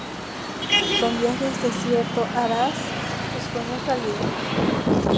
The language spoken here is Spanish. Con viajes desierto haras tus sueños realidad.